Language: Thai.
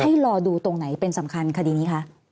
ให้รอดูตรงไหนเป็นสำคัญคดีนี้คะ